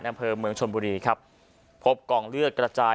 น้ำเพิร์นเมืองชนบุรีครับพบกล่องเลือดกระจาย